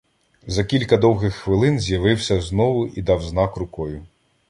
За кілька довгих хвилин з'явився знову і дав знак рукою.